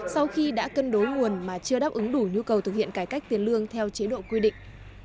sau khi đã cân đối nguồn mà chưa đáp ứng đủ nhu cầu thực hiện cải cách tiền lương theo chế độ quy định